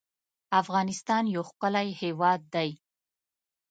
افغانستان يو ښکلی هېواد دی